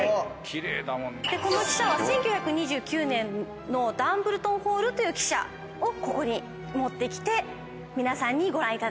この汽車は１９２９年のダンブルトン・ホールという汽車をここに持ってきて皆さんにご覧いただいていると。